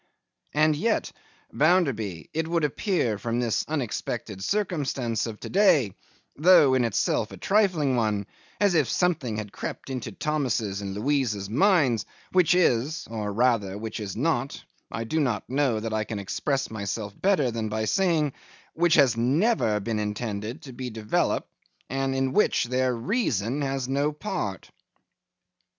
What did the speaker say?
'And yet, Bounderby, it would appear from this unexpected circumstance of to day, though in itself a trifling one, as if something had crept into Thomas's and Louisa's minds which is—or rather, which is not—I don't know that I can express myself better than by saying—which has never been intended to be developed, and in which their reason has no part.